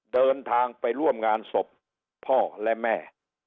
เดินทางไปร่วมงานศพพ่อและแม่